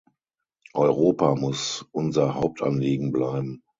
Europa muss unser Hauptanliegen bleiben.